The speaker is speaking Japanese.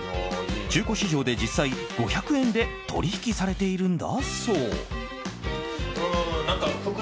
中古市場で、実際５００円で取引されているんだそう。